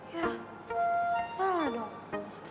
ya salah dong